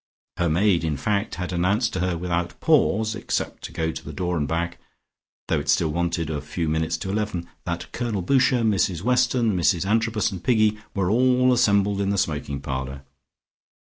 Her maid in fact had announced to her without pause except to go to the door and back, though it still wanted a few minutes to eleven, that Colonel Boucher, Mrs Weston, Mrs Antrobus and Piggy were all assembled in the smoking parlour.